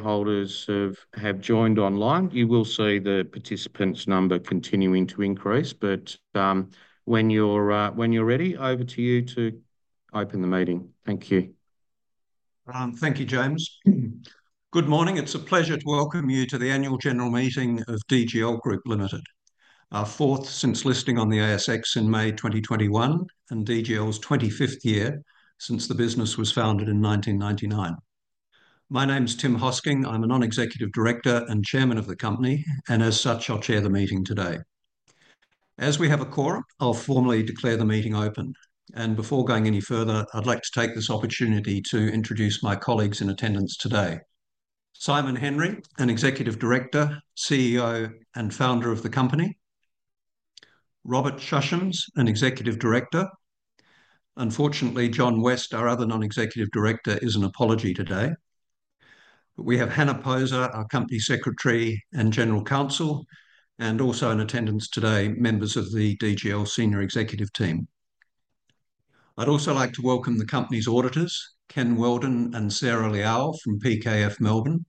Holders have joined online. You will see the participants' number continuing to increase, but when you're ready, over to you to open the meeting. Thank you. Thank you, James. Good morning. It's a pleasure to welcome you to the annual general meeting of DGL Group Limited, our fourth since listing on the ASX in May 2021, and DGL's 25th year since the business was founded in 1999. My name is Tim Hosking. I'm a Non-Executive Director and Chairman of the company, and as such, I'll chair the meeting today. As we have a quorum, I'll formally declare the meeting open, and before going any further, I'd like to take this opportunity to introduce my colleagues in attendance today: Simon Henry, an Executive Director, CEO, and founder of the company, Robert Sushames, an Executive Director. Unfortunately, John West, our other Non-Executive Director, is an apology today, but we have Hanna Posa, our Company Secretary and General Counsel, and also in attendance today, members of the DGL senior executive team. I'd also like to welcome the company's auditors, Ken Weldin and Sarah Liao from PKF Melbourne,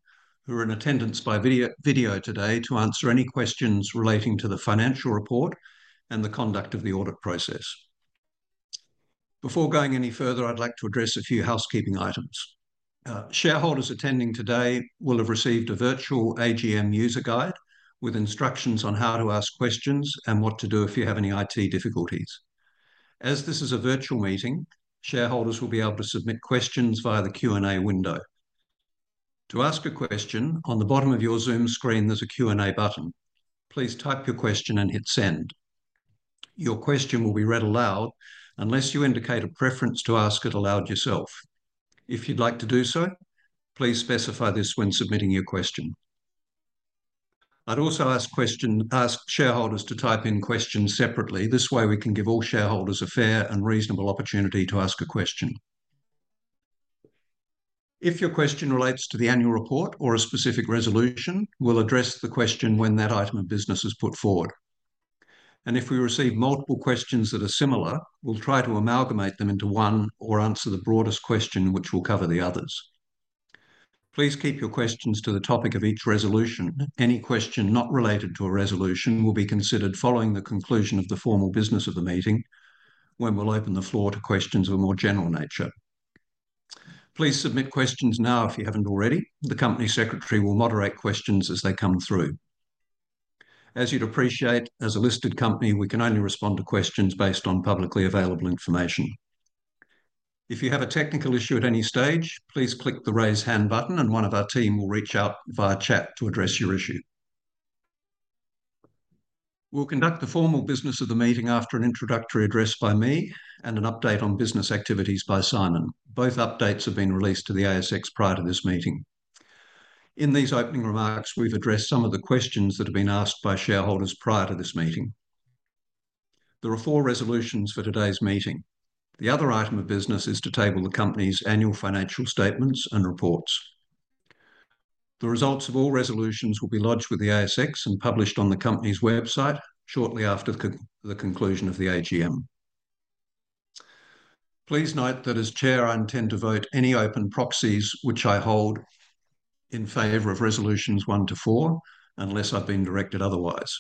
who are in attendance by video today to answer any questions relating to the financial report and the conduct of the audit process. Before going any further, I'd like to address a few housekeeping items. Shareholders attending today will have received a virtual AGM user guide with instructions on how to ask questions and what to do if you have any IT difficulties. As this is a virtual meeting, shareholders will be able to submit questions via the Q&A window. To ask a question, on the bottom of your Zoom screen, there's a Q&A button. Please type your question and hit Send. Your question will be read aloud unless you indicate a preference to ask it aloud yourself. If you'd like to do so, please specify this when submitting your question. I'd also ask shareholders to type in questions separately. This way, we can give all shareholders a fair and reasonable opportunity to ask a question. If your question relates to the annual report or a specific resolution, we'll address the question when that item of business is put forward. And if we receive multiple questions that are similar, we'll try to amalgamate them into one or answer the broadest question, which will cover the others. Please keep your questions to the topic of each resolution. Any question not related to a resolution will be considered following the conclusion of the formal business of the meeting, when we'll open the floor to questions of a more general nature. Please submit questions now if you haven't already. The company secretary will moderate questions as they come through. As you'd appreciate, as a listed company, we can only respond to questions based on publicly available information. If you have a technical issue at any stage, please click the Raise Hand button, and one of our team will reach out via chat to address your issue. We'll conduct the formal business of the meeting after an introductory address by me and an update on business activities by Simon. Both updates have been released to the ASX prior to this meeting. In these opening remarks, we've addressed some of the questions that have been asked by shareholders prior to this meeting. There are four resolutions for today's meeting. The other item of business is to table the company's annual financial statements and reports. The results of all resolutions will be lodged with the ASX and published on the company's website shortly after the conclusion of the AGM. Please note that as chair, I intend to vote any open proxies which I hold in favor of resolutions one to four unless I've been directed otherwise.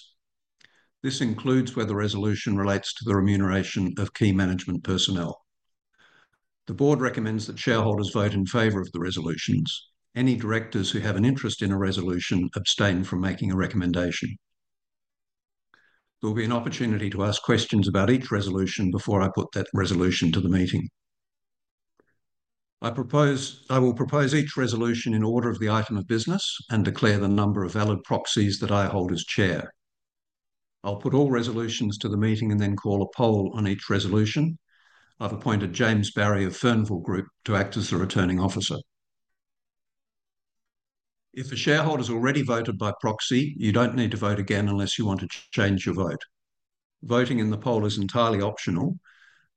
This includes whether resolution relates to the remuneration of key management personnel. The board recommends that shareholders vote in favor of the resolutions. Any directors who have an interest in a resolution abstain from making a recommendation. There will be an opportunity to ask questions about each resolution before I put that resolution to the meeting. I will propose each resolution in order of the item of business and declare the number of valid proxies that I hold as chair. I'll put all resolutions to the meeting and then call a poll on each resolution. I've appointed James Barrie of Fernville Group to act as the returning officer. If a shareholder has already voted by proxy, you don't need to vote again unless you want to change your vote. Voting in the poll is entirely optional,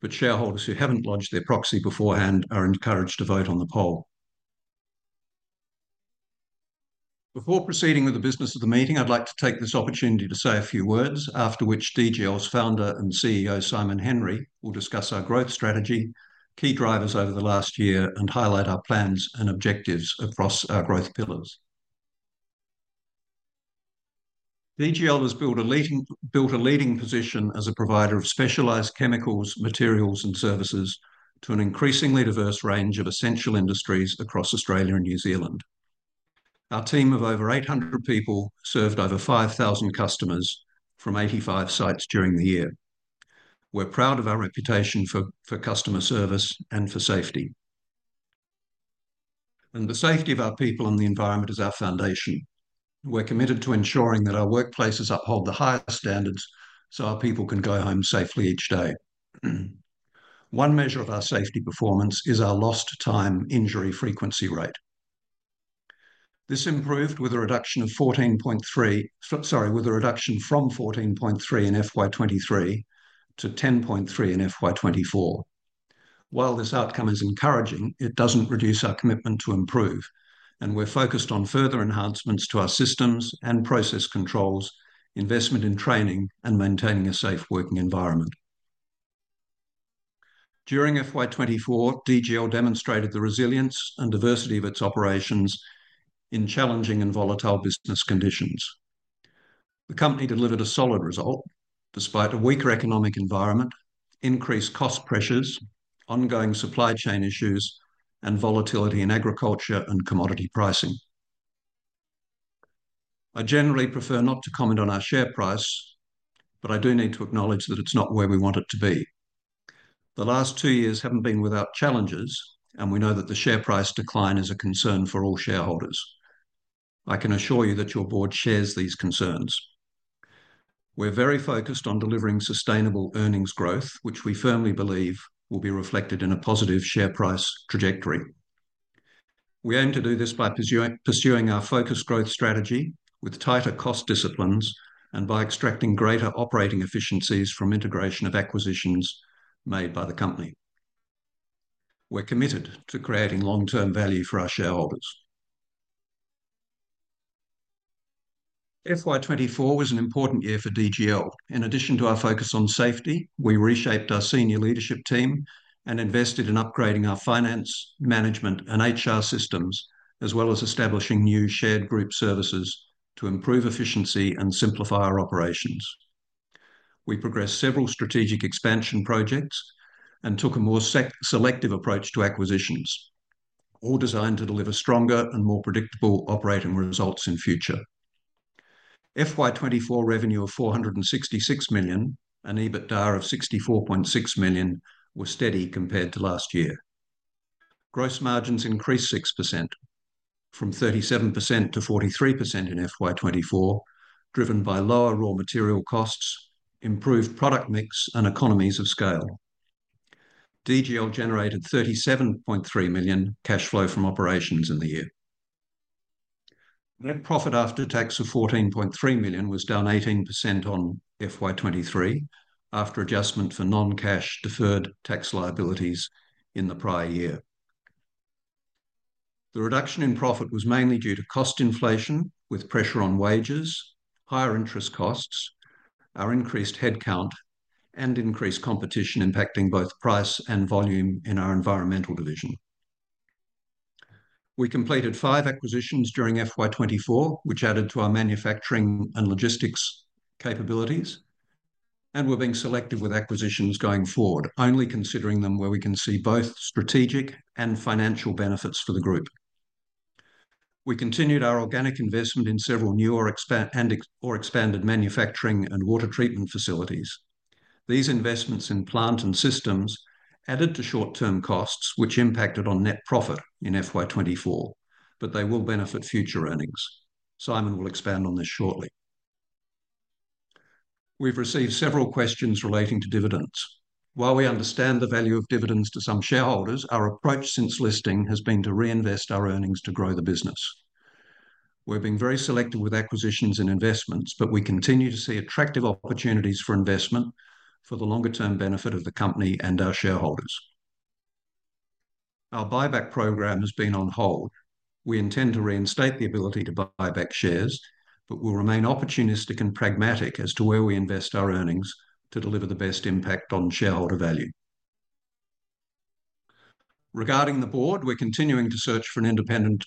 but shareholders who haven't lodged their proxy beforehand are encouraged to vote on the poll. Before proceeding with the business of the meeting, I'd like to take this opportunity to say a few words, after which DGL's founder and CEO, Simon Henry, will discuss our growth strategy, key drivers over the last year, and highlight our plans and objectives across our growth pillars. DGL has built a leading position as a provider of specialized chemicals, materials, and services to an increasingly diverse range of essential industries across Australia and New Zealand. Our team of over 800 people served over 5,000 customers from 85 sites during the year. We're proud of our reputation for customer service and for safety. The safety of our people and the environment is our foundation. We're committed to ensuring that our workplaces uphold the highest standards so our people can go home safely each day. One measure of our safety performance is our Lost Time Injury Frequency Rate. This improved with a reduction from 14.3 in FY 2023 to 10.3 in FY 2024. While this outcome is encouraging, it doesn't reduce our commitment to improve, and we're focused on further enhancements to our systems and process controls, investment in training, and maintaining a safe working environment. During FY 2024, DGL demonstrated the resilience and diversity of its operations in challenging and volatile business conditions. The company delivered a solid result despite a weaker economic environment, increased cost pressures, ongoing supply chain issues, and volatility in agriculture and commodity pricing. I generally prefer not to comment on our share price, but I do need to acknowledge that it's not where we want it to be. The last two years haven't been without challenges, and we know that the share price decline is a concern for all shareholders. I can assure you that your board shares these concerns. We're very focused on delivering sustainable earnings growth, which we firmly believe will be reflected in a positive share price trajectory. We aim to do this by pursuing our focused growth strategy with tighter cost disciplines and by extracting greater operating efficiencies from integration of acquisitions made by the company. We're committed to creating long-term value for our shareholders. FY 2024 was an important year for DGL. In addition to our focus on safety, we reshaped our senior leadership team and invested in upgrading our finance, management, and HR systems, as well as establishing new shared group services to improve efficiency and simplify our operations. We progressed several strategic expansion projects and took a more selective approach to acquisitions, all designed to deliver stronger and more predictable operating results in future. FY 2024 revenue of 466 million and EBITDA of 64.6 million were steady compared to last year. Gross margins increased 6%, from 37% to 43% in FY 2024, driven by lower raw material costs, improved product mix, and economies of scale. DGL generated 37.3 million cash flow from operations in the year. Net profit after tax of 14.3 million was down 18% on FY 2023 after adjustment for non-cash deferred tax liabilities in the prior year. The reduction in profit was mainly due to cost inflation with pressure on wages, higher interest costs, our increased headcount, and increased competition impacting both price and volume in our environmental division. We completed five acquisitions during FY 2024, which added to our manufacturing and logistics capabilities, and we're being selective with acquisitions going forward, only considering them where we can see both strategic and financial benefits for the group. We continued our organic investment in several new or expanded manufacturing and water treatment facilities. These investments in plant and systems added to short-term costs, which impacted on net profit in FY 2024, but they will benefit future earnings. Simon will expand on this shortly. We've received several questions relating to dividends. While we understand the value of dividends to some shareholders, our approach since listing has been to reinvest our earnings to grow the business. We're being very selective with acquisitions and investments, but we continue to see attractive opportunities for investment for the longer-term benefit of the company and our shareholders. Our buyback program has been on hold. We intend to reinstate the ability to buy back shares, but we'll remain opportunistic and pragmatic as to where we invest our earnings to deliver the best impact on shareholder value. Regarding the board, we're continuing to search for an independent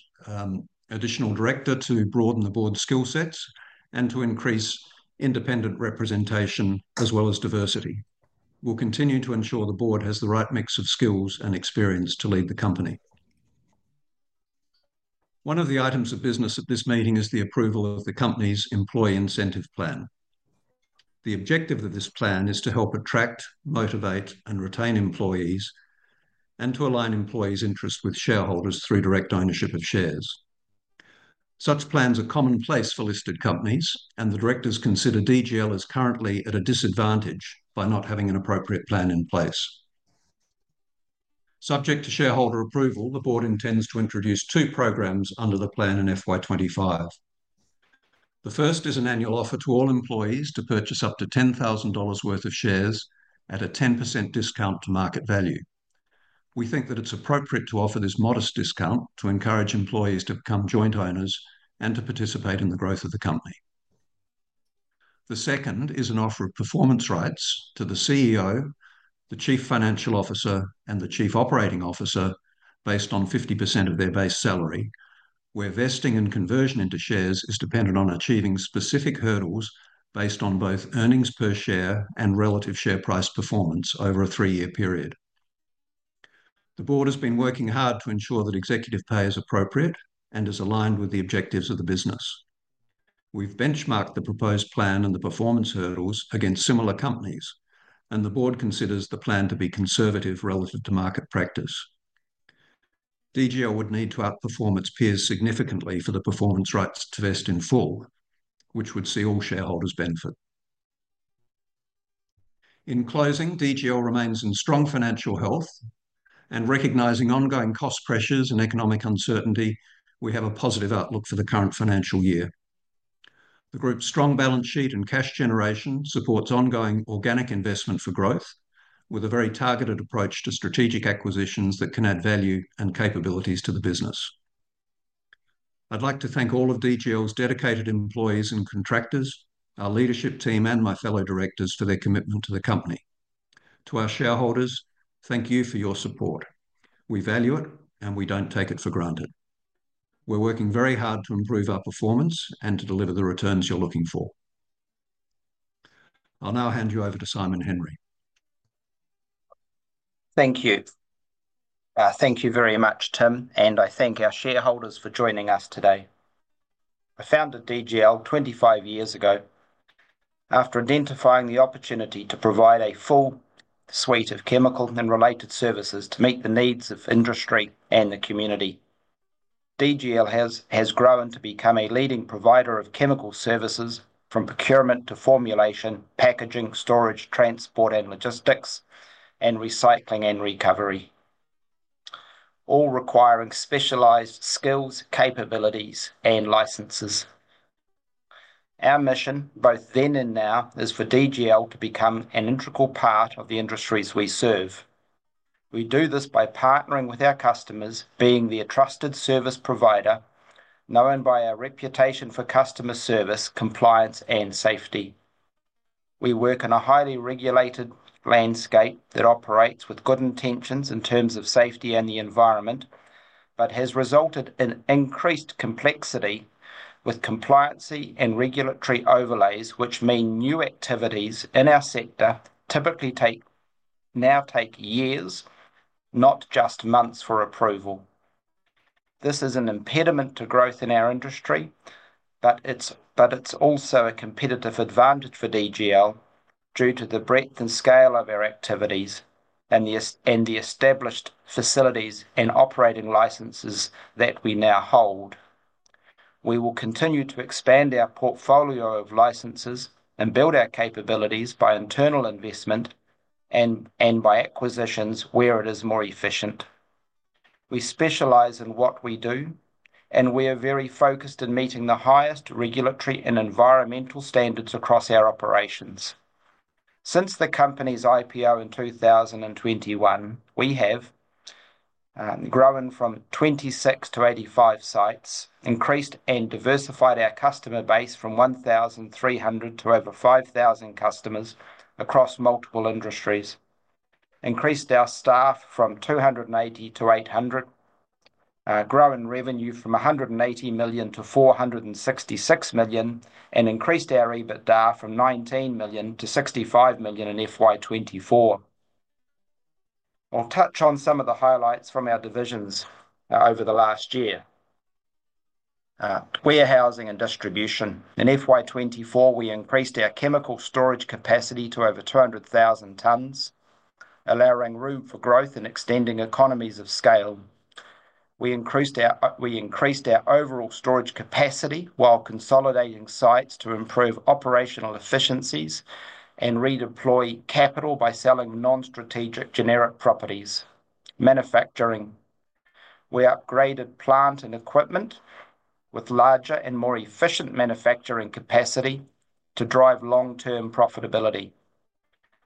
additional director to broaden the board's skill sets and to increase independent representation as well as diversity. We'll continue to ensure the board has the right mix of skills and experience to lead the company. One of the items of business at this meeting is the approval of the company's employee incentive plan. The objective of this plan is to help attract, motivate, and retain employees, and to align employees' interests with shareholders through direct ownership of shares. Such plans are commonplace for listed companies, and the directors consider DGL as currently at a disadvantage by not having an appropriate plan in place. Subject to shareholder approval, the board intends to introduce two programs under the plan in FY 2025. The first is an annual offer to all employees to purchase up to 10,000 dollars worth of shares at a 10% discount to market value. We think that it's appropriate to offer this modest discount to encourage employees to become joint owners and to participate in the growth of the company. The second is an offer of performance rights to the CEO, the Chief Financial Officer, and the Chief Operating Officer based on 50% of their base salary, where vesting and conversion into shares is dependent on achieving specific hurdles based on both earnings per share and relative share price performance over a three-year period. The board has been working hard to ensure that executive pay is appropriate and is aligned with the objectives of the business. We've benchmarked the proposed plan and the performance hurdles against similar companies, and the board considers the plan to be conservative relative to market practice. DGL would need to outperform its peers significantly for the performance rights to vest in full, which would see all shareholders benefit. In closing, DGL remains in strong financial health, and recognising ongoing cost pressures and economic uncertainty, we have a positive outlook for the current financial year. The group's strong balance sheet and cash generation supports ongoing organic investment for growth, with a very targeted approach to strategic acquisitions that can add value and capabilities to the business. I'd like to thank all of DGL's dedicated employees and contractors, our leadership team, and my fellow directors for their commitment to the company. To our shareholders, thank you for your support. We value it, and we don't take it for granted. We're working very hard to improve our performance and to deliver the returns you're looking for. I'll now hand you over to Simon Henry. Thank you. Thank you very much, Tim, and I thank our shareholders for joining us today. I founded DGL 25 years ago after identifying the opportunity to provide a full suite of chemical and related services to meet the needs of industry and the community. DGL has grown to become a leading provider of chemical services from procurement to formulation, packaging, storage, transport and logistics, and recycling and recovery, all requiring specialized skills, capabilities, and licenses. Our mission, both then and now, is for DGL to become an integral part of the industries we serve. We do this by partnering with our customers, being their trusted service provider, known by our reputation for customer service, compliance, and safety. We work in a highly regulated landscape that operates with good intentions in terms of safety and the environment, but has resulted in increased complexity with compliance and regulatory overlays, which mean new activities in our sector typically now take years, not just months, for approval. This is an impediment to growth in our industry, but it's also a competitive advantage for DGL due to the breadth and scale of our activities and the established facilities and operating licenses that we now hold. We will continue to expand our portfolio of licenses and build our capabilities by internal investment and by acquisitions where it is more efficient. We specialize in what we do, and we are very focused in meeting the highest regulatory and environmental standards across our operations. Since the company's IPO in 2021, we have grown from 26 to 85 sites, increased and diversified our customer base from 1,300 to over 5,000 customers across multiple industries, increased our staff from 280 to 800, grown revenue from 180 million to 466 million, and increased our EBITDA from 19 million to 65 million in FY 2024. I'll touch on some of the highlights from our divisions over the last year. Warehousing and distribution. In FY 2024, we increased our chemical storage capacity to over 200,000 tons, allowing room for growth and extending economies of scale. We increased our overall storage capacity while consolidating sites to improve operational efficiencies and redeploy capital by selling non-strategic generic properties. Manufacturing. We upgraded plant and equipment with larger and more efficient manufacturing capacity to drive long-term profitability.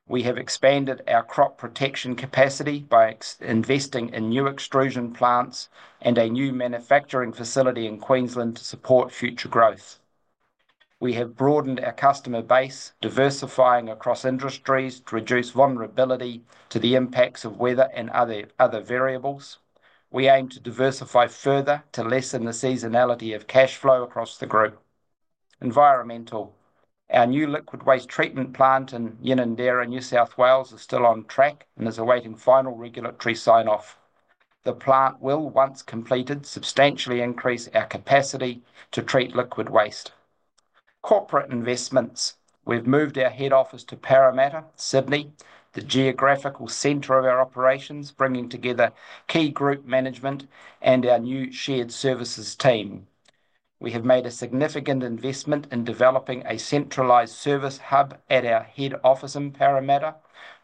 We have expanded our crop protection capacity by investing in new extrusion plants and a new manufacturing facility in Queensland to support future growth. We have broadened our customer base, diversifying across industries to reduce vulnerability to the impacts of weather and other variables. We aim to diversify further to lessen the seasonality of cash flow across the group. Environmental. Our new liquid waste treatment plant in Unanderra in New South Wales is still on track and is awaiting final regulatory sign-off. The plant will, once completed, substantially increase our capacity to treat liquid waste. Corporate investments. We've moved our head office to Parramatta, Sydney, the geographical center of our operations, bringing together key group management and our new shared services team. We have made a significant investment in developing a centralized service hub at our head office in Parramatta.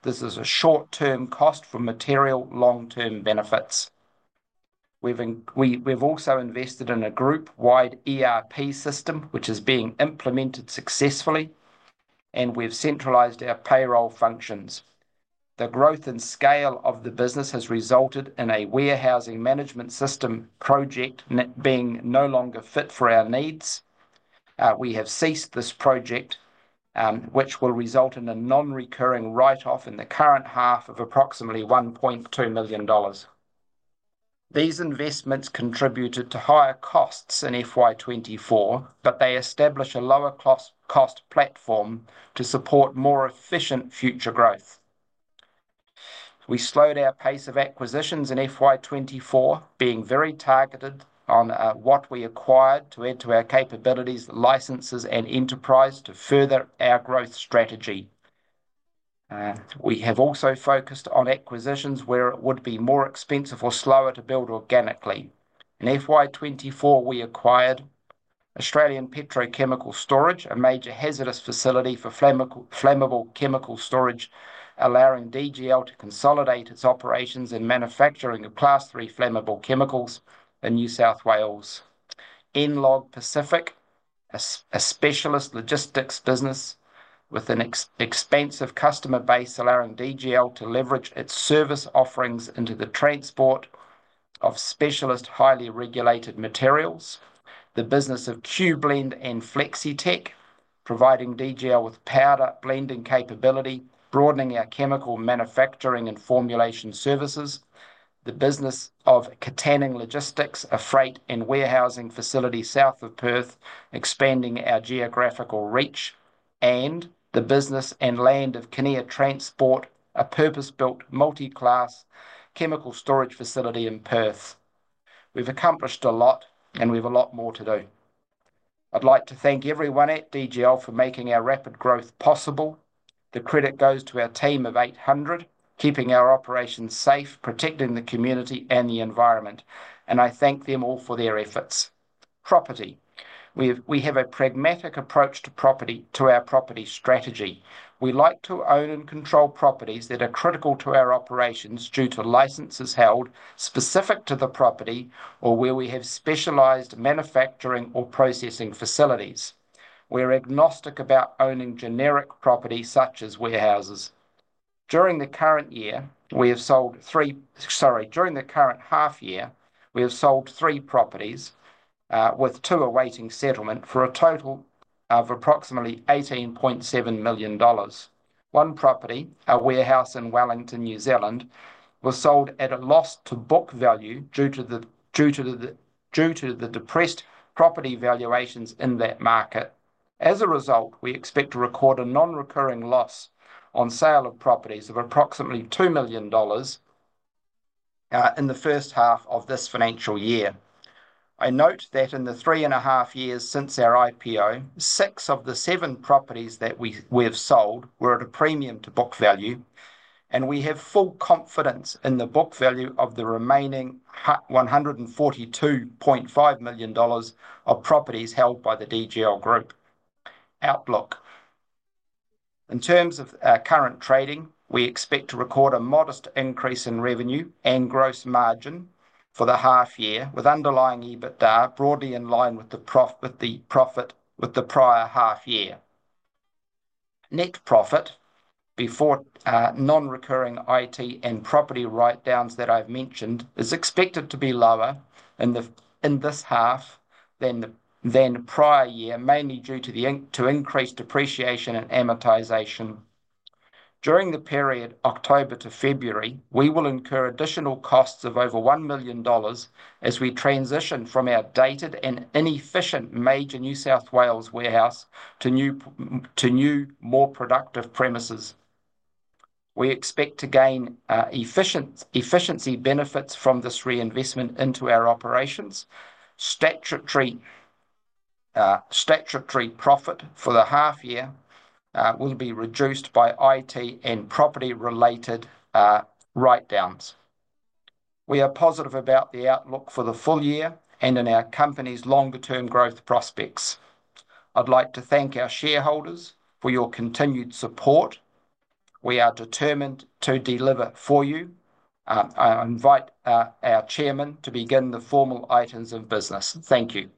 This is a short-term cost for material, long-term benefits. We've also invested in a group-wide ERP system, which is being implemented successfully, and we've centralized our payroll functions. The growth and scale of the business has resulted in a warehousing management system project being no longer fit for our needs. We have ceased this project, which will result in a non-recurring write-off in the current half of approximately 1.2 million dollars. These investments contributed to higher costs in FY 2024, but they establish a lower-cost platform to support more efficient future growth. We slowed our pace of acquisitions in FY 2024, being very targeted on what we acquired to add to our capabilities, licenses, and enterprise to further our growth strategy. We have also focused on acquisitions where it would be more expensive or slower to build organically. In FY 2024, we acquired Australian Petrochemical Storage, a major hazardous facility for flammable chemical storage, allowing DGL to consolidate its operations in manufacturing of Class 3 flammable chemicals in New South Wales. EnLog Pacific, a specialist logistics business with an expansive customer base, allowing DGL to leverage its service offerings into the transport of specialist highly regulated materials. The business of QBlend and Flexitech, providing DGL with powder blending capability, broadening our chemical manufacturing and formulation services. The business of Katanning Logistics, a freight and warehousing facility south of Perth, expanding our geographical reach. And the business and land of Kinnear Transport, a purpose-built multi-class chemical storage facility in Perth. We've accomplished a lot, and we have a lot more to do. I'd like to thank everyone at DGL for making our rapid growth possible. The credit goes to our team of 800, keeping our operations safe, protecting the community and the environment, and I thank them all for their efforts. Property. We have a pragmatic approach to our property strategy. We like to own and control properties that are critical to our operations due to licenses held specific to the property or where we have specialized manufacturing or processing facilities. We're agnostic about owning generic property such as warehouses. During the current year, we have sold three, sorry, during the current half year, we have sold three properties, with two awaiting settlement for a total of approximately 18.7 million dollars. One property, a warehouse in Wellington, New Zealand, was sold at a loss to book value due to the depressed property valuations in that market. As a result, we expect to record a non-recurring loss on sale of properties of approximately 2 million dollars in the first half of this financial year. I note that in the three and a half years since our IPO, six of the seven properties that we have sold were at a premium to book value, and we have full confidence in the book value of the remaining 142.5 million dollars of properties held by the DGL Group. Outlook. In terms of our current trading, we expect to record a modest increase in revenue and gross margin for the half year, with underlying EBITDA broadly in line with the profit with the prior half year. Net profit before non-recurring IT and property write-downs that I've mentioned is expected to be lower in this half than the prior year, mainly due to increased depreciation and amortization. During the period October to February, we will incur additional costs of over 1 million dollars as we transition from our dated and inefficient major New South Wales warehouse to new, more productive premises. We expect to gain efficiency benefits from this reinvestment into our operations. Statutory profit for the half year will be reduced by IT and property-related write-downs. We are positive about the outlook for the full year and in our company's longer-term growth prospects. I'd like to thank our shareholders for your continued support. We are determined to deliver for you. I invite our Chairman to begin the formal items of business. Thank you.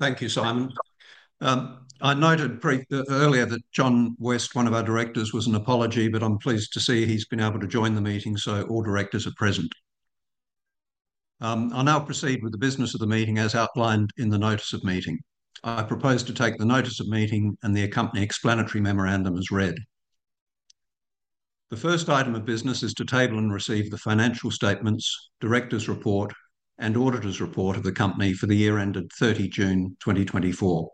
Thank you, Simon. I noted briefly earlier that John West, one of our directors, was an apology, but I'm pleased to see he's been able to join the meeting, so all directors are present. I'll now proceed with the business of the meeting as outlined in the notice of meeting. I propose to take the notice of meeting and the accompanying explanatory memorandum as read. The first item of business is to table and receive the financial statements, director's report, and auditor's report of the company for the year ended 30 June 2024.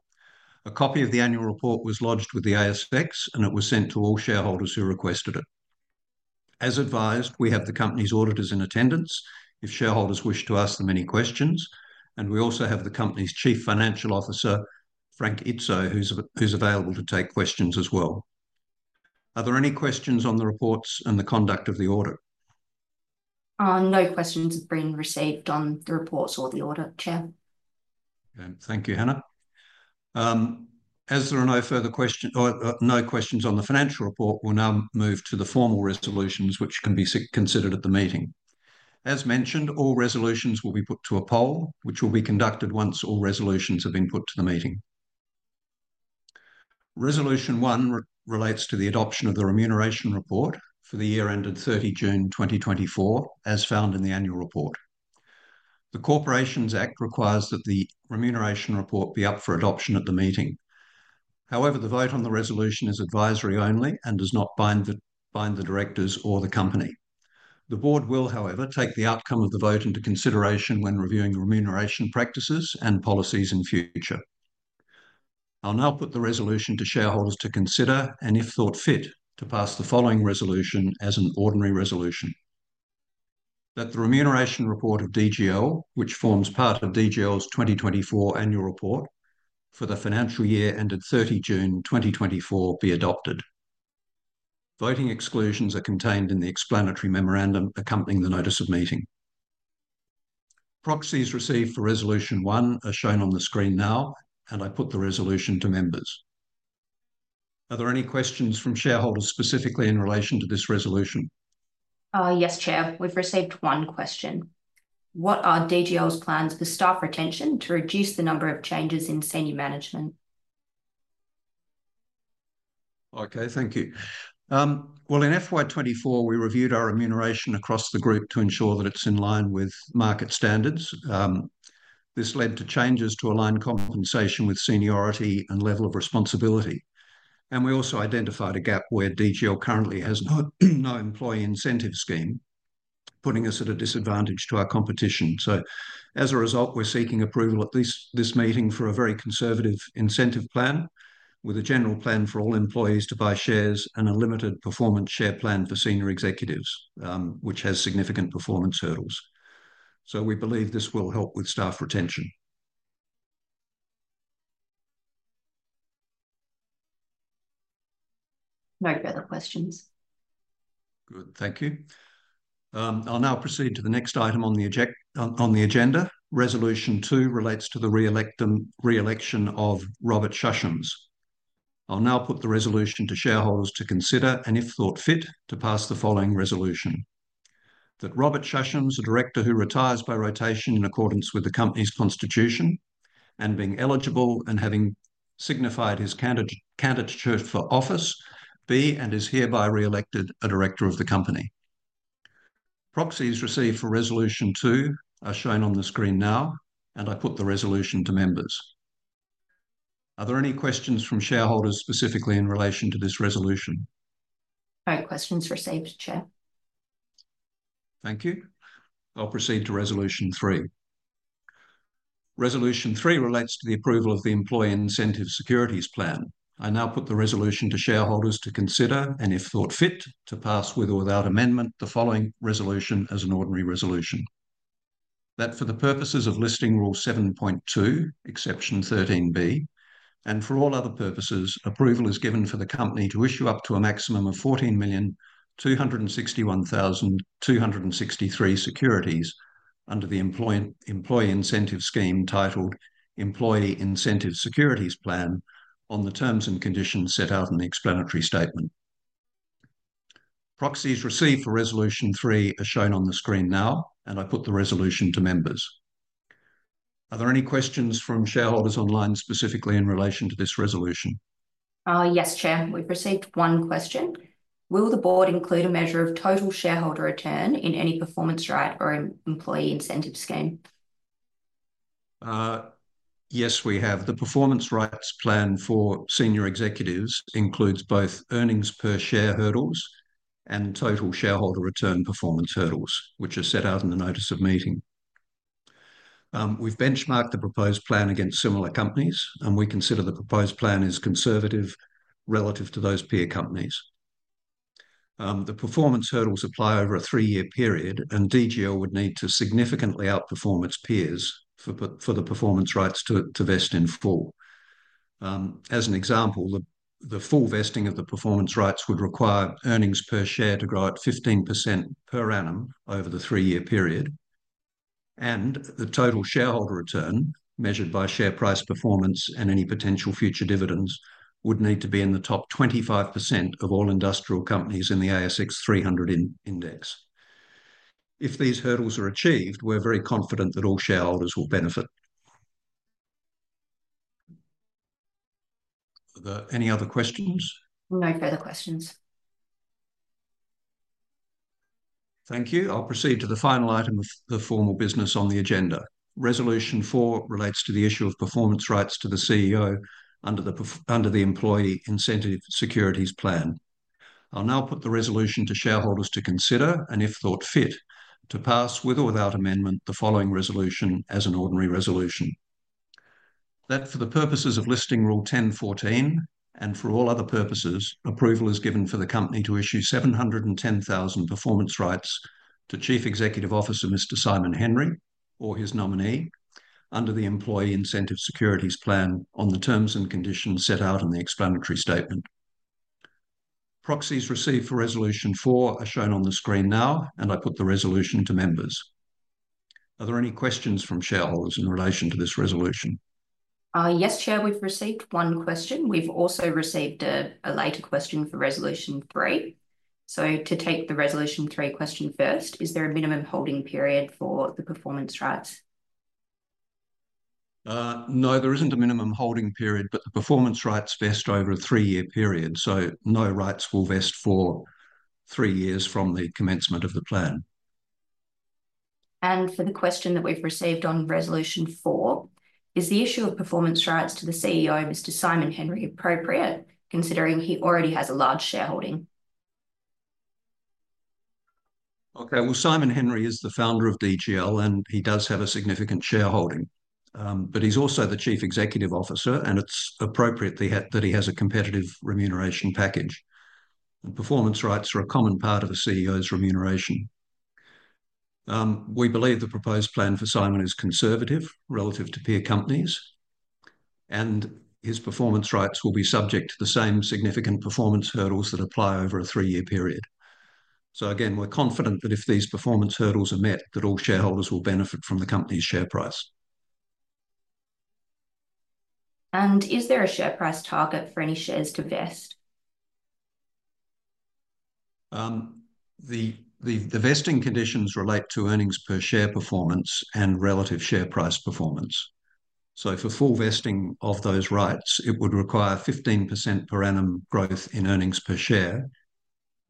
A copy of the annual report was lodged with the ASX, and it was sent to all shareholders who requested it. As advised, we have the company's auditors in attendance if shareholders wish to ask them any questions, and we also have the company's Chief Financial Officer, Frank Izzo, who's available to take questions as well. Are there any questions on the reports and the conduct of the audit? No questions have been received on the reports or the audit, Chair. Thank you, Hanna. As there are no further questions, no questions on the financial report, we'll now move to the formal resolutions, which can be considered at the meeting. As mentioned, all resolutions will be put to a poll, which will be conducted once all resolutions have been put to the meeting. Resolution one relates to the adoption of the remuneration report for the year ended 30 June 2024, as found in the annual report. The Corporations Act requires that the remuneration report be up for adoption at the meeting. However, the vote on the resolution is advisory only and does not bind the directors or the company. The board will, however, take the outcome of the vote into consideration when reviewing remuneration practices and policies in future. I'll now put the resolution to shareholders to consider and, if thought fit, to pass the following resolution as an ordinary resolution: that the remuneration report of DGL, which forms part of DGL's 2024 annual report for the financial year ended 30 June 2024, be adopted. Voting exclusions are contained in the explanatory memorandum accompanying the notice of meeting. Proxies received for resolution one are shown on the screen now, and I put the resolution to members. Are there any questions from shareholders specifically in relation to this resolution? Yes, Chair. We've received one question. What are DGL's plans for staff retention to reduce the number of changes in senior management? Okay, thank you. In FY 2024, we reviewed our remuneration across the group to ensure that it's in line with market standards. This led to changes to align compensation with seniority and level of responsibility. We also identified a gap where DGL currently has no employee incentive scheme, putting us at a disadvantage to our competition. As a result, we're seeking approval at this meeting for a very conservative incentive plan with a general plan for all employees to buy shares and a limited performance share plan for senior executives, which has significant performance hurdles. We believe this will help with staff retention. No further questions. Good. Thank you. I'll now proceed to the next item on the agenda. Resolution two relates to the reelection of Robert Sushames. I'll now put the resolution to shareholders to consider and, if thought fit, to pass the following resolution: that Robert Sushames, a director who retires by rotation in accordance with the company's constitution and being eligible and having signified his candidature for office, be and is hereby reelected a director of the company. Proxies received for resolution two are shown on the screen now, and I put the resolution to members. Are there any questions from shareholders specifically in relation to this resolution? No questions received, Chair. Thank you. I'll proceed to resolution three. Resolution three relates to the approval of the employee incentive securities plan. I now put the resolution to shareholders to consider and, if thought fit, to pass with or without amendment the following resolution as an ordinary resolution: that for the purposes of Listing Rule 7.2, Exception 13 (b), and for all other purposes, approval is given for the company to issue up to a maximum of 14,261,263 securities under the employee incentive scheme titled Employee Incentive Securities Plan on the terms and conditions set out in the explanatory statement. Proxies received for resolution three are shown on the screen now, and I put the resolution to members. Are there any questions from shareholders online specifically in relation to this resolution? Yes, Chair. We've received one question. Will the board include a measure of total shareholder return in any performance right or employee incentive scheme? Yes, we have. The performance rights plan for senior executives includes both earnings per share hurdles and total shareholder return performance hurdles, which are set out in the notice of meeting. We've benchmarked the proposed plan against similar companies, and we consider the proposed plan as conservative relative to those peer companies. The performance hurdles apply over a three-year period, and DGL would need to significantly outperform its peers for the performance rights to vest in full. As an example, the full vesting of the performance rights would require earnings per share to grow at 15% per annum over the three-year period, and the total shareholder return measured by share price performance and any potential future dividends would need to be in the top 25% of all industrial companies in the ASX 300 index. If these hurdles are achieved, we're very confident that all shareholders will benefit. Any other questions? No further questions. Thank you. I'll proceed to the final item of the formal business on the agenda. Resolution four relates to the issue of performance rights to the CEO under the employee incentive securities plan. I'll now put the resolution to shareholders to consider and, if thought fit, to pass with or without amendment the following resolution as an ordinary resolution: that for the purposes of Listing Rule 10.14 and for all other purposes, approval is given for the company to issue 710,000 performance rights to Chief Executive Officer Mr. Simon Henry or his nominee under the employee incentive securities plan on the terms and conditions set out in the explanatory statement. Proxies received for resolution four are shown on the screen now, and I put the resolution to members. Are there any questions from shareholders in relation to this resolution? Yes, Chair. We've received one question. We've also received a later question for resolution three. So, to take the resolution three question first, is there a minimum holding period for the performance rights? No, there isn't a minimum holding period, but the performance rights vest over a three-year period, so no rights will vest for three years from the commencement of the plan. And for the question that we've received on resolution four, is the issue of performance rights to the CEO, Mr. Simon Henry, appropriate, considering he already has a large shareholding? Okay, well, Simon Henry is the founder of DGL, and he does have a significant shareholding, but he's also the Chief Executive Officer, and it's appropriate that he has a competitive remuneration package. Performance rights are a common part of a CEO's remuneration. We believe the proposed plan for Simon is conservative relative to peer companies, and his performance rights will be subject to the same significant performance hurdles that apply over a three-year period. So, again, we're confident that if these performance hurdles are met, that all shareholders will benefit from the company's share price. And is there a share price target for any shares to vest? The vesting conditions relate to earnings per share performance and relative share price performance. So, for full vesting of those rights, it would require 15% per annum growth in earnings per share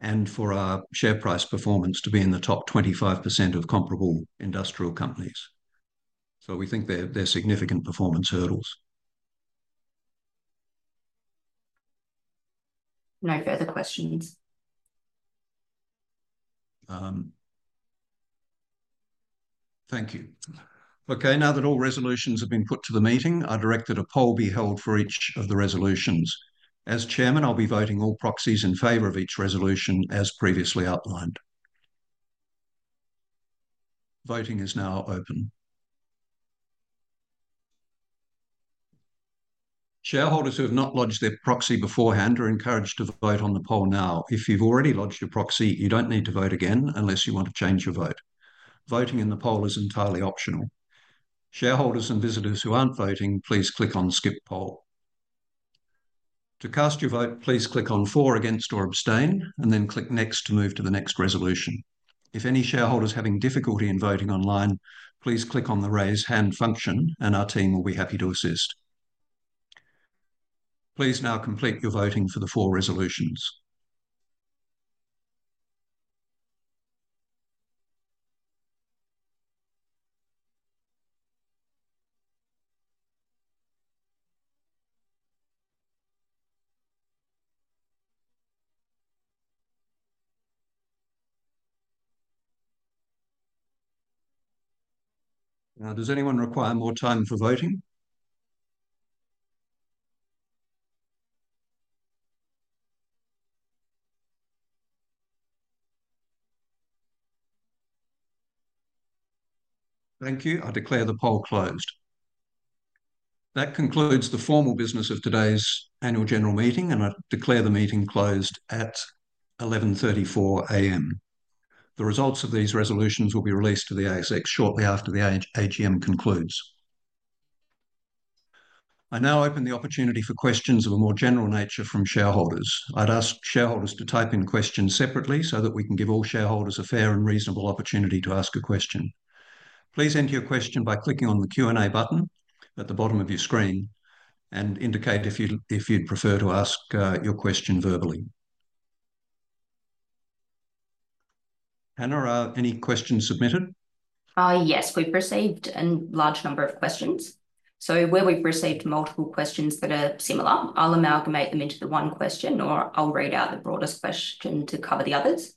and for our share price performance to be in the top 25% of comparable industrial companies. So, we think they're significant performance hurdles. No further questions. Thank you. Okay. Now that all resolutions have been put to the meeting, I direct that a poll be held for each of the resolutions. As Chairman, I'll be voting all proxies in favor of each resolution as previously outlined. Voting is now open. Shareholders who have not lodged their proxy beforehand are encouraged to vote on the poll now. If you've already lodged your proxy, you don't need to vote again unless you want to change your vote. Voting in the poll is entirely optional. Shareholders and visitors who aren't voting, please click on Skip Poll. To cast your vote, please click on For, Against, or Abstain, and then click Next to move to the next resolution. If any shareholders are having difficulty in voting online, please click on the Raise Hand function, and our team will be happy to assist. Please now complete your voting for the four resolutions. Now, does anyone require more time for voting? Thank you. I declare the poll closed. That concludes the formal business of today's annual general meeting, and I declare the meeting closed at 11:34 A.M. The results of these resolutions will be released to the ASX shortly after the AGM concludes. I now open the opportunity for questions of a more general nature from shareholders. I'd ask shareholders to type in questions separately so that we can give all shareholders a fair and reasonable opportunity to ask a question. Please enter your question by clicking on the Q&A button at the bottom of your screen and indicate if you'd prefer to ask your question verbally. Hanna, are any questions submitted? Yes, we've received a large number of questions. So, where we've received multiple questions that are similar, I'll amalgamate them into the one question, or I'll read out the broadest question to cover the others.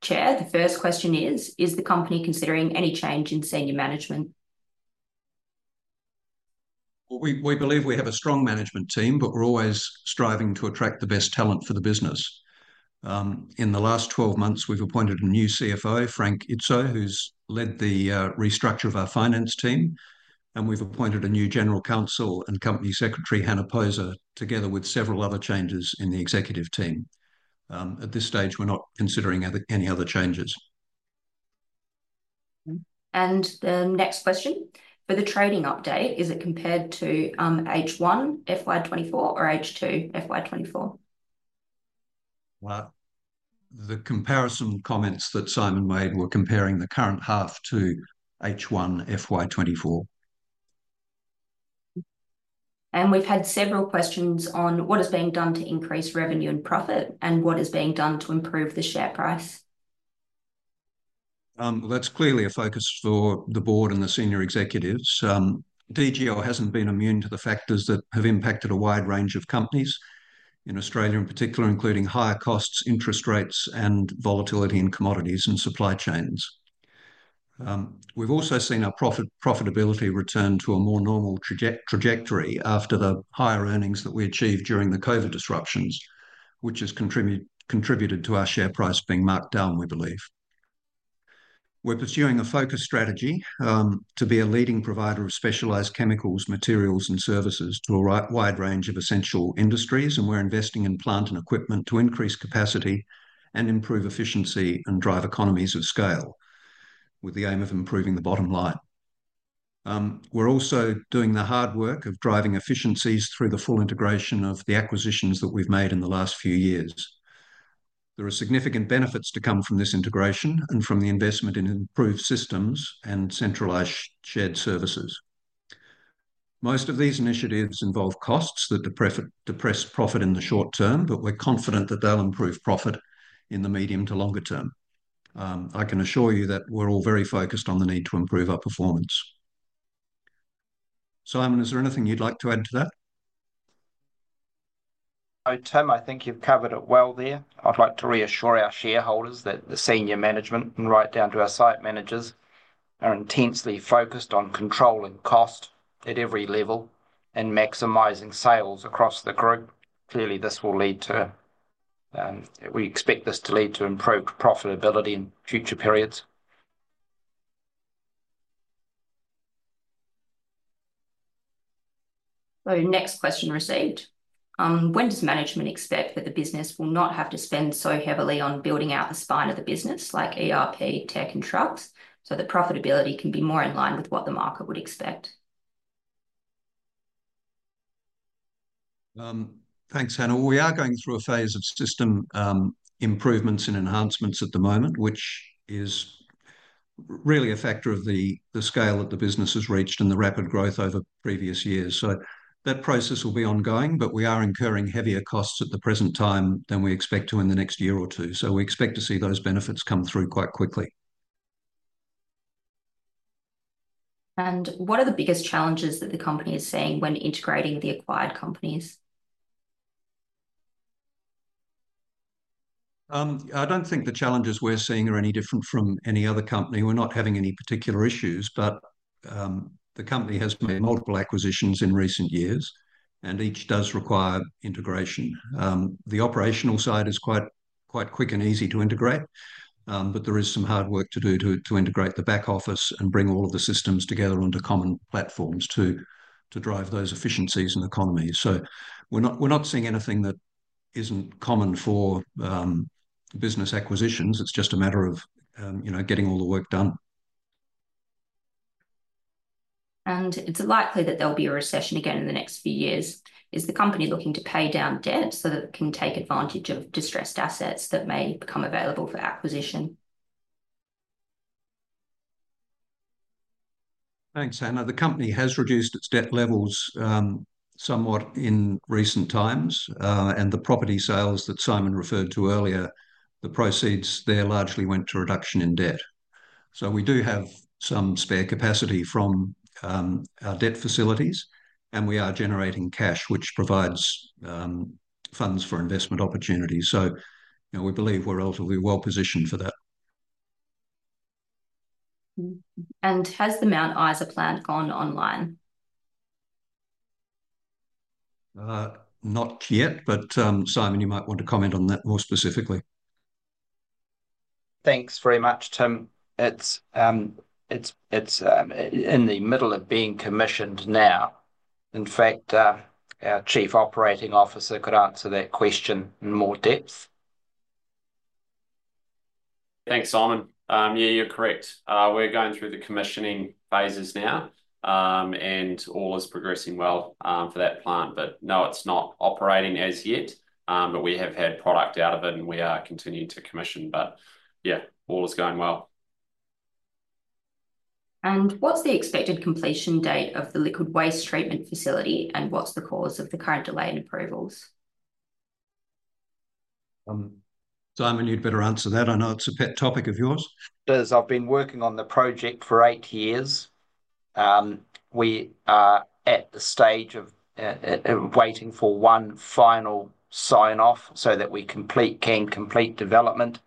Chair, the first question is, is the company considering any change in senior management? Well, we believe we have a strong management team, but we're always striving to attract the best talent for the business. In the last 12 months, we've appointed a new CFO, Frank Izzo, who's led the restructure of our finance team, and we've appointed a new general counsel and company secretary, Hanna Posa, together with several other changes in the executive team. At this stage, we're not considering any other changes. And the next question, for the trading update, is it compared to H1 FY 2024 or H2 FY 2024? The comparison comments that Simon made were comparing the current half to H1 FY 2024. And we've had several questions on what is being done to increase revenue and profit and what is being done to improve the share price. That's clearly a focus for the board and the senior executives. DGL hasn't been immune to the factors that have impacted a wide range of companies in Australia in particular, including higher costs, interest rates, and volatility in commodities and supply chains. We've also seen our profitability return to a more normal trajectory after the higher earnings that we achieved during the COVID disruptions, which has contributed to our share price being marked down, we believe. We're pursuing a focus strategy to be a leading provider of specialized chemicals, materials, and services to a wide range of essential industries, and we're investing in plant and equipment to increase capacity and improve efficiency and drive economies of scale with the aim of improving the bottom line. We're also doing the hard work of driving efficiencies through the full integration of the acquisitions that we've made in the last few years. There are significant benefits to come from this integration and from the investment in improved systems and centralized shared services. Most of these initiatives involve costs that depress profit in the short term, but we're confident that they'll improve profit in the medium to longer term. I can assure you that we're all very focused on the need to improve our performance. Simon, is there anything you'd like to add to that? No, Tim, I think you've covered it well there. I'd like to reassure our shareholders that the senior management and right down to our site managers are intensely focused on controlling cost at every level and maximizing sales across the group. Clearly, this will lead to, we expect this to lead to improved profitability in future periods. The next question received, when does management expect that the business will not have to spend so heavily on building out the spine of the business, like ERP, tech, and trucks, so that profitability can be more in line with what the market would expect? Thanks, Hanna. We are going through a phase of system improvements and enhancements at the moment, which is really a factor of the scale that the business has reached and the rapid growth over previous years. So, that process will be ongoing, but we are incurring heavier costs at the present time than we expect to in the next year or two. So, we expect to see those benefits come through quite quickly. And what are the biggest challenges that the company is seeing when integrating the acquired companies? I don't think the challenges we're seeing are any different from any other company. We're not having any particular issues, but the company has made multiple acquisitions in recent years, and each does require integration. The operational side is quite quick and easy to integrate, but there is some hard work to do to integrate the back office and bring all of the systems together onto common platforms to drive those efficiencies and economies. So, we're not seeing anything that isn't common for business acquisitions. It's just a matter of getting all the work done. And it's likely that there'll be a recession again in the next few years. Is the company looking to pay down debt so that it can take advantage of distressed assets that may become available for acquisition? Thanks, Hanna. The company has reduced its debt levels somewhat in recent times, and the property sales that Simon referred to earlier, the proceeds there largely went to reduction in debt. We do have some spare capacity from our debt facilities, and we are generating cash, which provides funds for investment opportunities. We believe we're relatively well positioned for that. Has the Mount Isa plant gone online? Not yet, but Simon, you might want to comment on that more specifically. Thanks very much, Tim. It's in the middle of being commissioned now. In fact, our Chief Operating Officer could answer that question in more depth. Thanks, Simon. Yeah, you're correct. We're going through the commissioning phases now, and all is progressing well for that plant, but no, it's not operating as yet, but we have had product out of it, and we are continuing to commission. Yeah, all is going well. What's the expected completion date of the liquid waste treatment facility, and what's the cause of the current delay in approvals? Simon, you'd better answer that. I know it's a topic of yours. Directors. I've been working on the project for eight years. We are at the stage of waiting for one final sign-off so that we can complete development.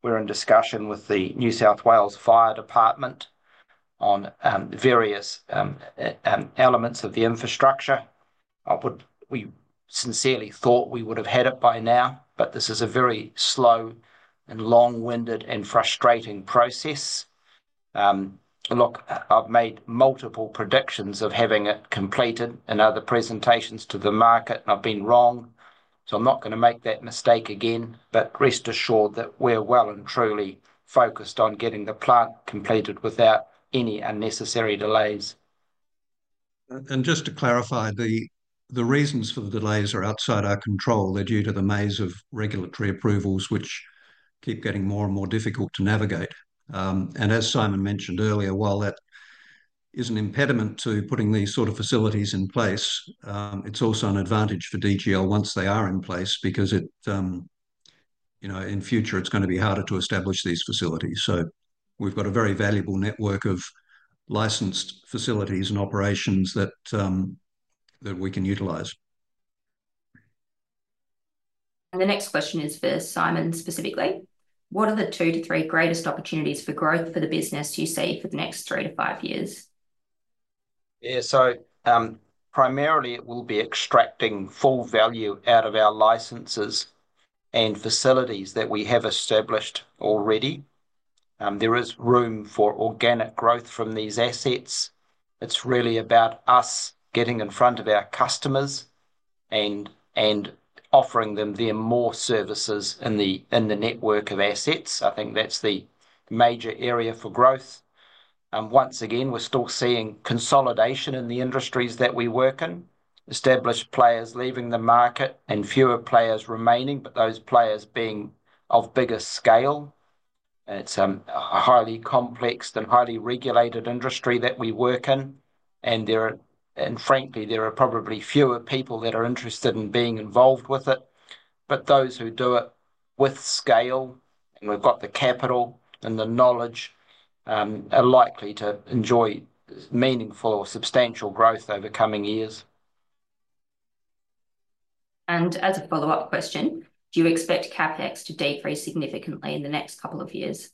We're in discussion with the New South Wales Fire Department on various elements of the infrastructure. We sincerely thought we would have had it by now, but this is a very slow and long-winded and frustrating process. Look, I've made multiple predictions of having it completed in other presentations to the market, and I've been wrong. So, I'm not going to make that mistake again, but rest assured that we're well and truly focused on getting the plant completed without any unnecessary delays. And just to clarify, the reasons for the delays are outside our control. They're due to the maze of regulatory approvals, which keep getting more and more difficult to navigate. And as Simon mentioned earlier, while that is an impediment to putting these sort of facilities in place, it's also an advantage for DGL once they are in place because in future, it's going to be harder to establish these facilities. So, we've got a very valuable network of licensed facilities and operations that we can utilize. And the next question is for Simon specifically. What are the two to three greatest opportunities for growth for the business you see for the next three to five years? Yeah, so primarily, it will be extracting full value out of our licenses and facilities that we have established already. There is room for organic growth from these assets. It's really about us getting in front of our customers and offering them more services in the network of assets. I think that's the major area for growth. Once again, we're still seeing consolidation in the industries that we work in, established players leaving the market and fewer players remaining, but those players being of bigger scale. It's a highly complex and highly regulated industry that we work in, and frankly, there are probably fewer people that are interested in being involved with it. But those who do it with scale and who've got the capital and the knowledge are likely to enjoy meaningful or substantial growth over coming years. And as a follow-up question, do you expect CapEx to decrease significantly in the next couple of years?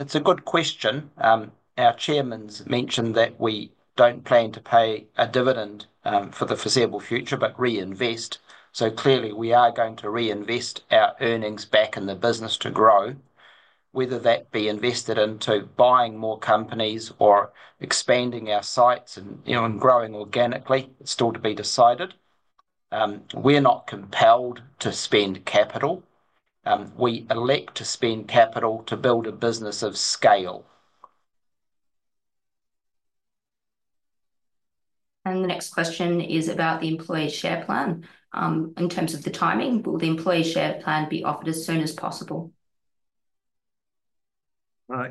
It's a good question. Our chairman's mentioned that we don't plan to pay a dividend for the foreseeable future, but reinvest. So clearly, we are going to reinvest our earnings back in the business to grow, whether that be invested into buying more companies or expanding our sites and growing organically. It's still to be decided. We're not compelled to spend capital. We elect to spend capital to build a business of scale. And the next question is about the employee share plan. In terms of the timing, will the employee share plan be offered as soon as possible?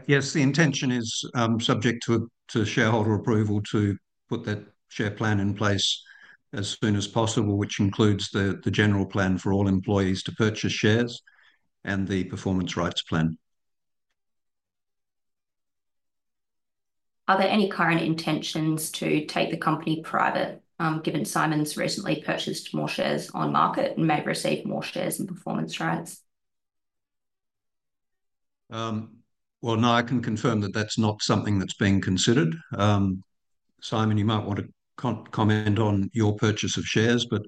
Yes, the intention is subject to shareholder approval to put that share plan in place as soon as possible, which includes the general plan for all employees to purchase shares and the performance rights plan. Are there any current intentions to take the company private, given Simon's recently purchased more shares on market and may receive more shares and performance rights? No, I can confirm that that's not something that's being considered. Simon, you might want to comment on your purchase of shares, but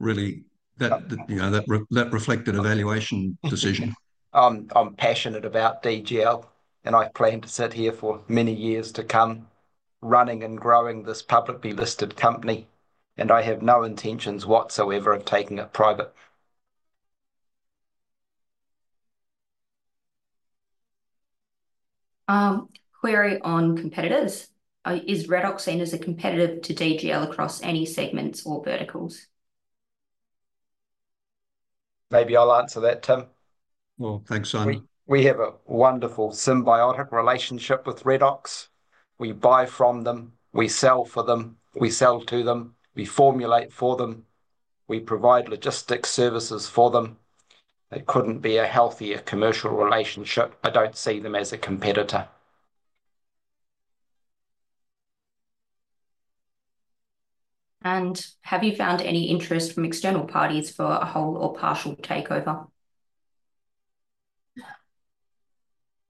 really, that reflected evaluation decision. I'm passionate about DGL, and I plan to sit here for many years to come running and growing this publicly listed company, and I have no intentions whatsoever of taking it private. Query on competitors. Is Redox seen as a competitor to DGL across any segments or verticals? Maybe I'll answer that, Tim. Thanks, Simon. We have a wonderful symbiotic relationship with Redox. We buy from them. We sell for them. We sell to them. We formulate for them. We provide logistics services for them. There couldn't be a healthier commercial relationship. I don't see them as a competitor. Have you found any interest from external parties for a whole or partial takeover?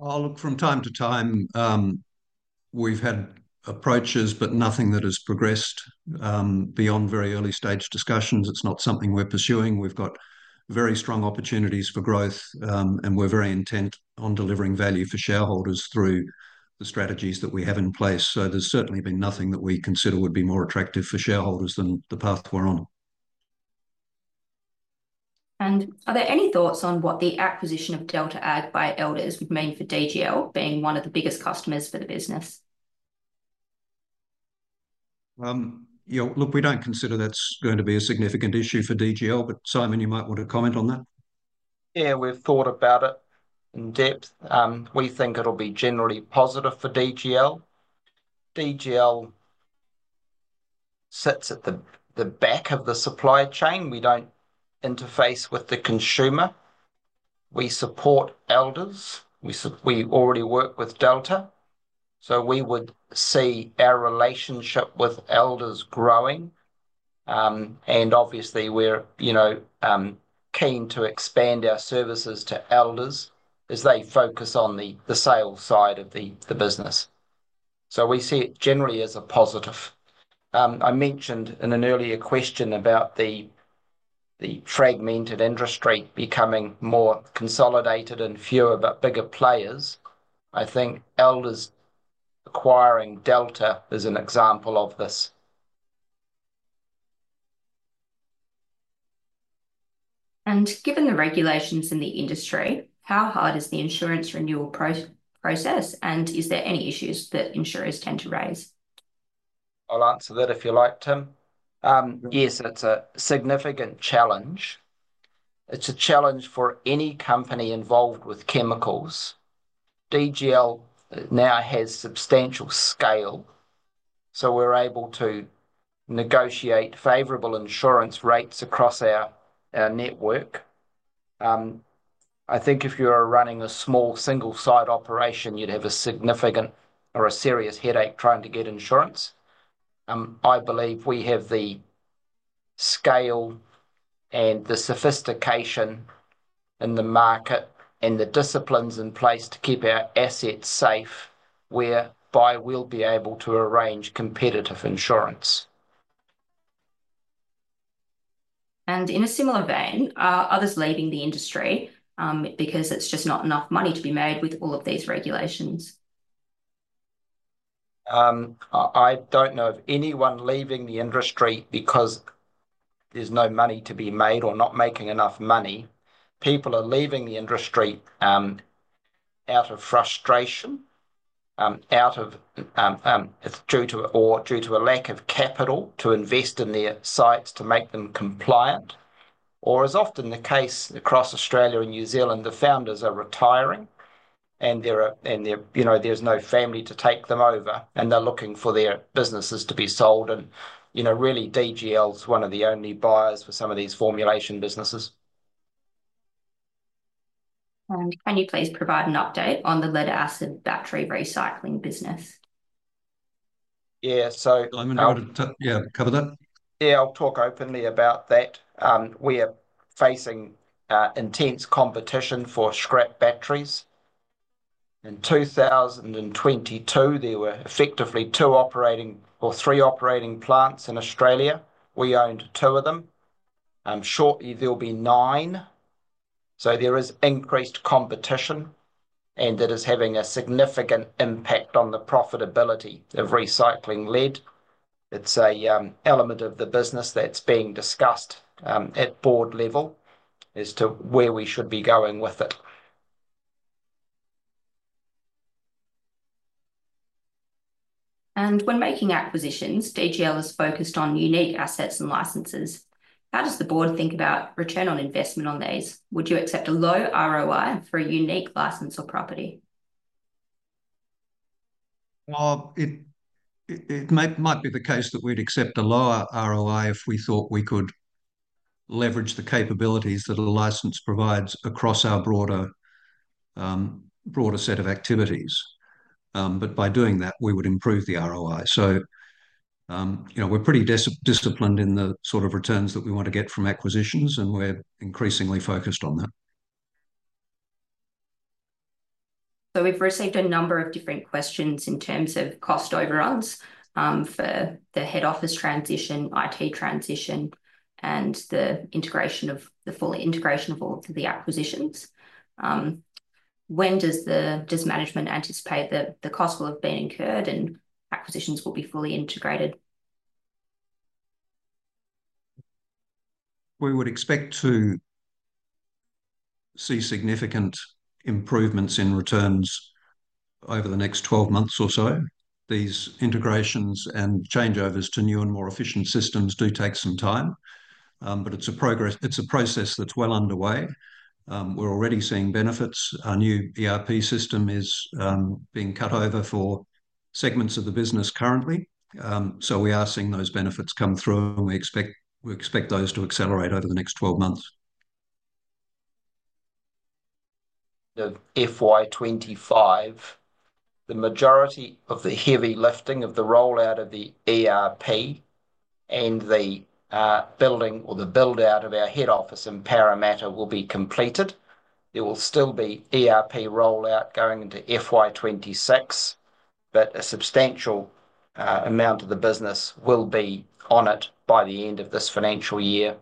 I'll look from time to time. We've had approaches, but nothing that has progressed beyond very early stage discussions. It's not something we're pursuing. We've got very strong opportunities for growth, and we're very intent on delivering value for shareholders through the strategies that we have in place. So, there's certainly been nothing that we consider would be more attractive for shareholders than the path we're on. And are there any thoughts on what the acquisition of Delta Ag by Elders would mean for DGL, being one of the biggest customers for the business? Look, we don't consider that's going to be a significant issue for DGL, but Simon, you might want to comment on that. Yeah, we've thought about it in depth. We think it'll be generally positive for DGL. DGL sits at the back of the supply chain. We don't interface with the consumer. We support Elders. We already work with Delta. We would see our relationship with Elders growing. Obviously, we're keen to expand our services to Elders as they focus on the sales side of the business. We see it generally as a positive. I mentioned in an earlier question about the fragmented industry becoming more consolidated and fewer but bigger players. I think Elders acquiring Delta is an example of this. Given the regulations in the industry, how hard is the insurance renewal process, and is there any issues that insurers tend to raise? I'll answer that if you like, Tim. Yes, it's a significant challenge. It's a challenge for any company involved with chemicals. DGL now has substantial scale, so we're able to negotiate favorable insurance rates across our network. I think if you're running a small single-site operation, you'd have a significant or a serious headache trying to get insurance. I believe we have the scale and the sophistication in the market and the disciplines in place to keep our assets safe, whereby we'll be able to arrange competitive insurance. And in a similar vein, are others leaving the industry because it's just not enough money to be made with all of these regulations? I don't know of anyone leaving the industry because there's no money to be made or not making enough money. People are leaving the industry out of frustration, due to a lack of capital to invest in their sites to make them compliant. Or, as often the case across Australia and New Zealand, the founders are retiring, and there's no family to take them over, and they're looking for their businesses to be sold. And really, DGL is one of the only buyers for some of these formulation businesses. And can you please provide an update on the lead acid battery recycling business? Yeah, so. Simon, yeah, cover that. Yeah, I'll talk openly about that. We are facing intense competition for scrap batteries. In 2022, there were effectively two operating or three operating plants in Australia. We owned two of them. Shortly, there'll be nine. So, there is increased competition, and it is having a significant impact on the profitability of recycling lead. It's an element of the business that's being discussed at board level as to where we should be going with it. And when making acquisitions, DGL is focused on unique assets and licenses. How does the board think about return on investment on these? Would you accept a low ROI for a unique license or property? It might be the case that we'd accept a lower ROI if we thought we could leverage the capabilities that a license provides across our broader set of activities, but by doing that, we would improve the ROI. We're pretty disciplined in the sort of returns that we want to get from acquisitions, and we're increasingly focused on that. We've received a number of different questions in terms of cost overruns for the head office transition, IT transition, and the full integration of all of the acquisitions. When does management anticipate that the cost will have been incurred and acquisitions will be fully integrated? We would expect to see significant improvements in returns over the next 12 months or so. These integrations and changeovers to new and more efficient systems do take some time, but it's a process that's well underway. We're already seeing benefits. Our new ERP system is being cut over for segments of the business currently. So, we are seeing those benefits come through, and we expect those to accelerate over the next 12 months. The FY 2025, the majority of the heavy lifting of the rollout of the ERP and the building or the build-out of our head office in Parramatta will be completed. There will still be ERP rollout going into FY 2026, but a substantial amount of the business will be on it by the end of this financial year.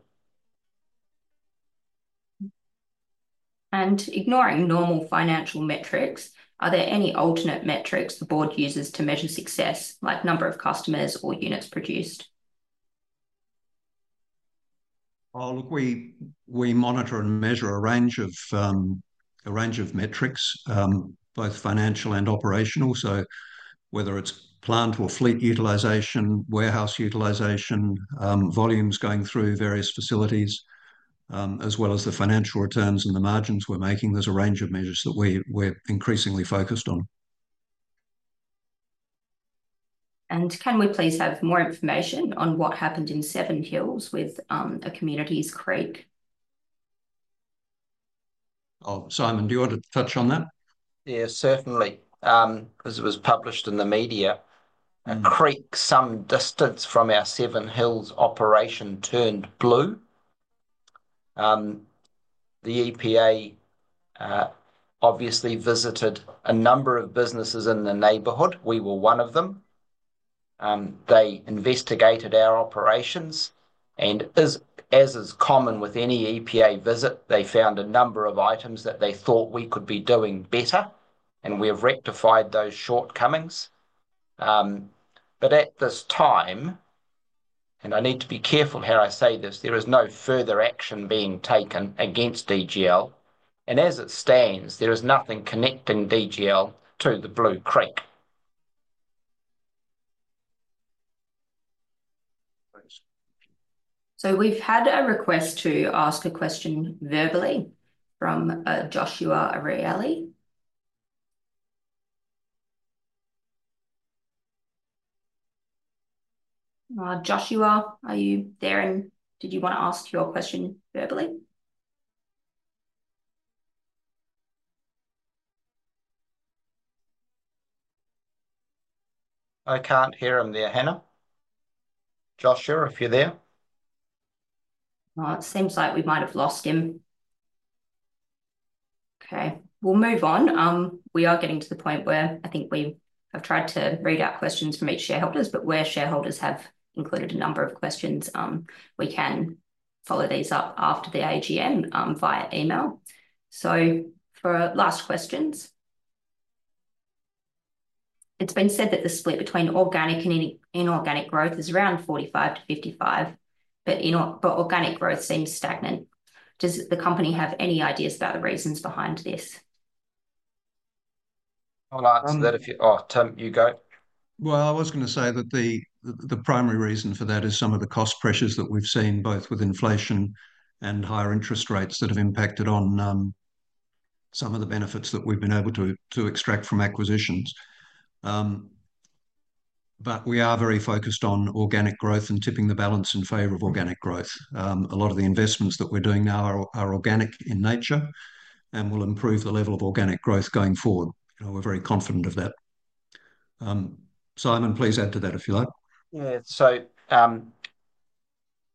And ignoring normal financial metrics, are there any alternate metrics the board uses to measure success, like number of customers or units produced? Well, look, we monitor and measure a range of metrics, both financial and operational. So, whether it's plant or fleet utilization, warehouse utilization, volumes going through various facilities, as well as the financial returns and the margins we're making, there's a range of measures that we're increasingly focused on. And can we please have more information on what happened in Seven Hills with a community's creek? Oh, Simon, do you want to touch on that? Yeah, certainly. As it was published in the media, a creek some distance from our Seven Hills operation turned blue. The EPA obviously visited a number of businesses in the neighborhood. We were one of them. They investigated our operations. And as is common with any EPA visit, they found a number of items that they thought we could be doing better, and we have rectified those shortcomings. But at this time, and I need to be careful how I say this, there is no further action being taken against DGL. And as it stands, there is nothing connecting DGL to the blue creek. So, we've had a request to ask a question verbally from Joshua Arieli. Joshua, are you there? And did you want to ask your question verbally? I can't hear him there, Hanna. Joshua, if you're there? It seems like we might have lost him. Okay. We'll move on. We are getting to the point where I think we have tried to read out questions from each shareholders, but where shareholders have included a number of questions, we can follow these up after the AGM via email. So, for last questions, it's been said that the split between organic and inorganic growth is around 45/55, but organic growth seems stagnant. Does the company have any ideas about the reasons behind this? I'll answer that if you, oh, Tim, you go. Well, I was going to say that the primary reason for that is some of the cost pressures that we've seen, both with inflation and higher interest rates, that have impacted on some of the benefits that we've been able to extract from acquisitions. But we are very focused on organic growth and tipping the balance in favor of organic growth. A lot of the investments that we're doing now are organic in nature and will improve the level of organic growth going forward. We're very confident of that. Simon, please add to that if you like. Yeah. So,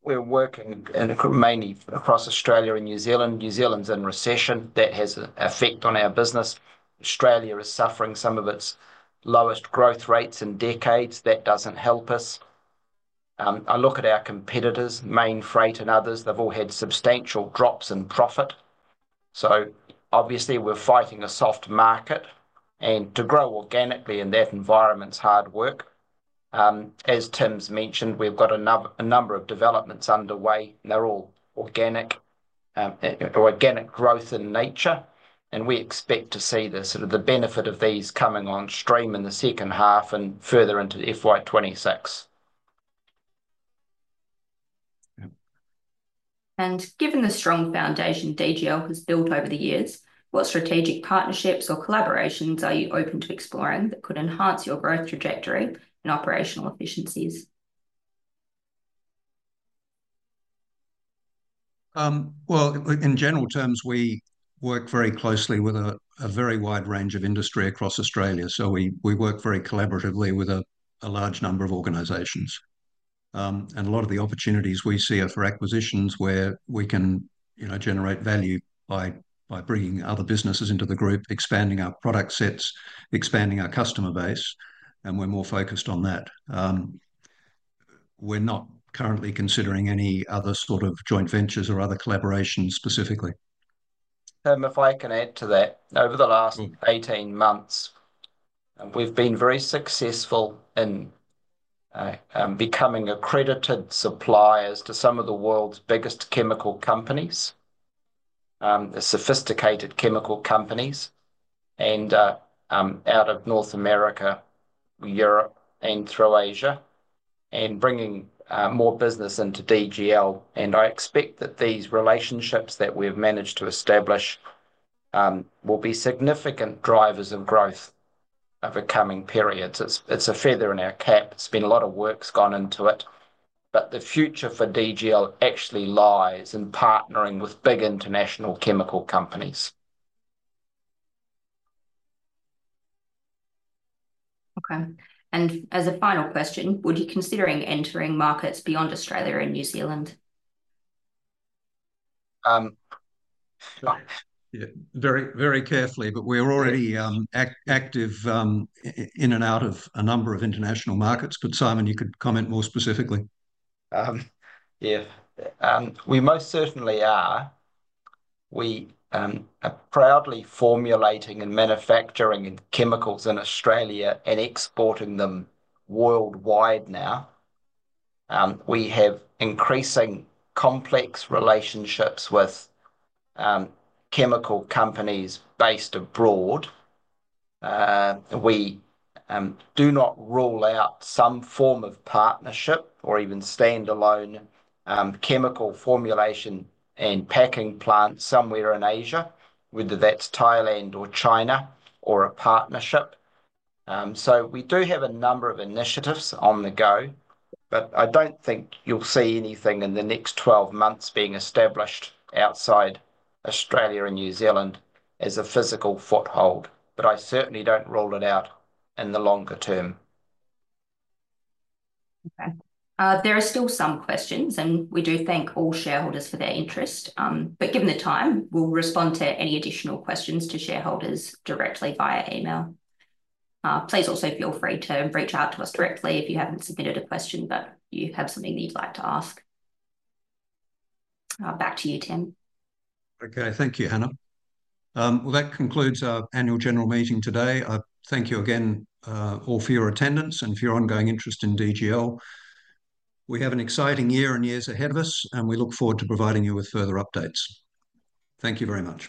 we're working mainly across Australia and New Zealand. New Zealand's in recession. That has an effect on our business. Australia is suffering some of its lowest growth rates in decades. That doesn't help us. I look at our competitors, Mainfreight and others. They've all had substantial drops in profit. So, obviously, we're fighting a soft market. And to grow organically in that environment is hard work. As Tim's mentioned, we've got a number of developments underway, and they're all organic growth in nature. And we expect to see the benefit of these coming on stream in the second half and further into FY 2026. And given the strong foundation DGL has built over the years, what strategic partnerships or collaborations are you open to exploring that could enhance your growth trajectory and operational efficiencies? Well, in general terms, we work very closely with a very wide range of industries across Australia. So, we work very collaboratively with a large number of organizations. A lot of the opportunities we see are for acquisitions where we can generate value by bringing other businesses into the group, expanding our product sets, expanding our customer base. We're more focused on that. We're not currently considering any other sort of joint ventures or other collaborations specifically. Tim, if I can add to that, over the last 18 months, we've been very successful in becoming accredited suppliers to some of the world's biggest chemical companies, sophisticated chemical companies, and out of North America, Europe, and through Asia, and bringing more business into DGL. I expect that these relationships that we've managed to establish will be significant drivers of growth over coming periods. It's a feather in our cap. It's been a lot of work that's gone into it. The future for DGL actually lies in partnering with big international chemical companies. Okay. As a final question, would you be considering entering markets beyond Australia and New Zealand? Very carefully, but we're already active in and out of a number of international markets. But Simon, you could comment more specifically. Yeah. We most certainly are. We are proudly formulating and manufacturing chemicals in Australia and exporting them worldwide now. We have increasing complex relationships with chemical companies based abroad. We do not rule out some form of partnership or even standalone chemical formulation and packing plants somewhere in Asia, whether that's Thailand or China or a partnership. So, we do have a number of initiatives on the go, but I don't think you'll see anything in the next 12 months being established outside Australia and New Zealand as a physical foothold. But I certainly don't rule it out in the longer term. Okay. There are still some questions, and we do thank all shareholders for their interest. But given the time, we'll respond to any additional questions to shareholders directly via email. Please also feel free to reach out to us directly if you haven't submitted a question, but you have something that you'd like to ask. Back to you, Tim. Okay. Thank you, Hanna. Well, that concludes our Annual General Meeting today. I thank you again all for your attendance and for your ongoing interest in DGL. We have an exciting year and years ahead of us, and we look forward to providing you with further updates. Thank you very much.